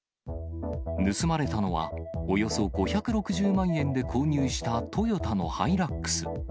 盗まれたのは、およそ５６０万円で購入したトヨタのハイラックス。